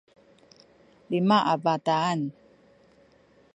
lima a bataan